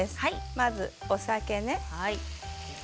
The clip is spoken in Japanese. まずお酒ね。